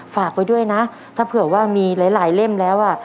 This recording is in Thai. ฝากไว้ด้วยนะถ้าเผื่อว่ามีหลายเล่มแล้ว